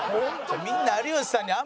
みんな有吉さんに甘い。